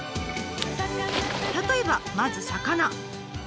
例えばまず魚。